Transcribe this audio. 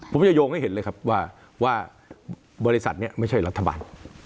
ผมจะโยงให้เห็นเลยครับว่าบริษัทนี้ไม่ใช่รัฐบาล